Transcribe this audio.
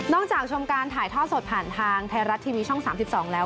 จากชมการถ่ายทอดสดผ่านทางไทยรัฐทีวีช่อง๓๒แล้ว